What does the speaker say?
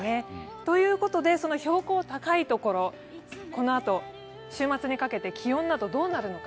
ということで、標高の高いところがこのあと、週末にかけて気温などどうなるのか。